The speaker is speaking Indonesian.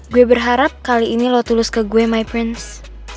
gue berharap kali ini lo tulus ke gue my prince